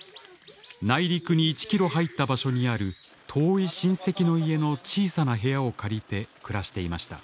内陸に１ｋｍ入った場所にある遠い親戚の家の小さな部屋を借りて暮らしていました。